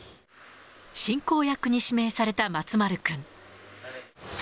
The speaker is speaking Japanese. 進行役に指名された松丸君。